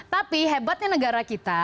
tapi hebatnya negara kita